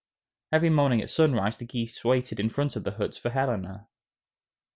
] Every morning at sunrise the geese waited in front of the huts for Helena.